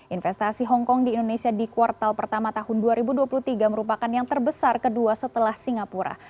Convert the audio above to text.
investasi hongkong di indonesia di kuartal pertama tahun dua ribu dua puluh tiga merupakan yang terbesar kedua setelah singapura